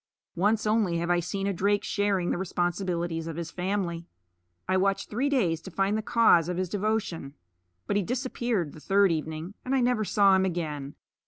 Once only have I seen a drake sharing the responsibilities of his family. I watched three days to find the cause of his devotion; but he disappeared the third evening, and I never saw him again.